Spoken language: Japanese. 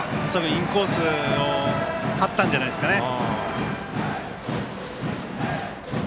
インコースを張ったんじゃないでしょうかね。